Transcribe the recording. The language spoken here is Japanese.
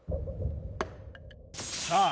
さあ